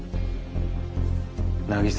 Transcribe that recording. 凪沙。